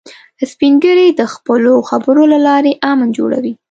سپین ږیری د خپلو خبرو له لارې امن جوړوي